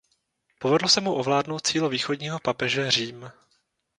Povedlo se mu ovládnout sídlo východního papeže Řím.